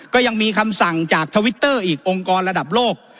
ก็ยังมีคำสั่งจากทวิตเตอร์อีกองค์กรระดับโลก